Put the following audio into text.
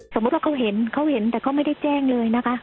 สมมุติว่าเขาเห็นเขาเห็นแต่เขาไม่ได้แจ้งเลยนะคะ